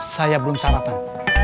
saya belum sarapan